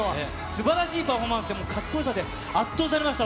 すばらしいパフォーマンスで、かっこよさで圧倒されました。